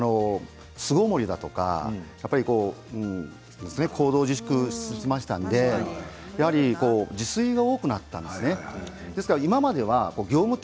巣ごもりだとか行動自粛をしましたのでやはり自炊が多くなったんですね。